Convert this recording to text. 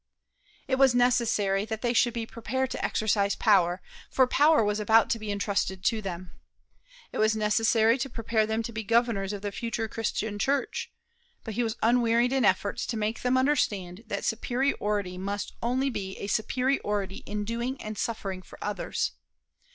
It was necessary that they should be prepared to exercise power, for power was about to be intrusted to them. It was necessary to prepare them to be the governors of the future Christian Church. But he was unwearied in efforts to make them understand that superiority must only be a superiority in doing and suffering for others.